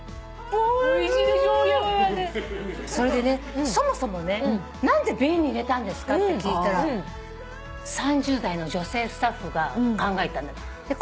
それでねそもそもね何で瓶に入れたんですかって聞いたら３０代の女性スタッフが考えたんだって。